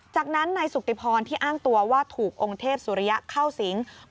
จากนั้นนายสุติพรที่อ้างตัวว่าถูกองค์เทพสุริยะเข้าสิง